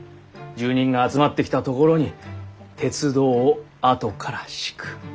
住人が集まってきたところに鉄道をあとから敷く。